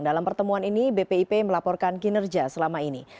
dalam pertemuan ini bpip melaporkan kinerja selama ini